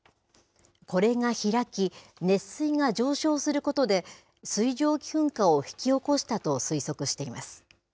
これが開き、熱水が上昇することで、水蒸気噴火を引き起こしたと推測しています。